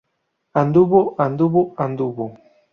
Anduvo, anduvo, anduvo.